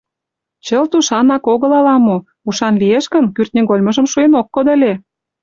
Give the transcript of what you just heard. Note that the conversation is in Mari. Чылт ушанак огыл ала-мо; ушан лиеш гын, кӱртньыгольмыжым шуэн ок кодо ыле.